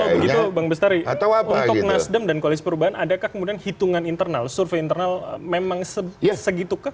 kalau begitu bang bestari untuk nasdem dan koalisi perubahan adakah kemudian hitungan internal survei internal memang segitukah